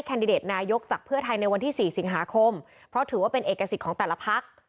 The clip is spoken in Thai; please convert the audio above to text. ดิเดตนายกจากเพื่อไทยในวันที่๔สิงหาคมเพราะถือว่าเป็นเอกสิทธิ์ของแต่ละพัก